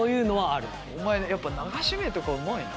お前やっぱ流し目とかうまいな。